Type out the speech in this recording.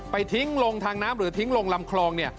ไปทิ้งลงทางน้ำหรือทิ้งลงลำคลอง